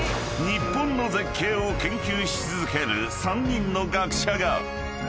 ［日本の絶景を研究し続ける３人の学者が］